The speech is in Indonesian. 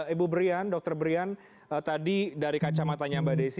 ibu brian dr brian tadi dari kacamatanya mbak desi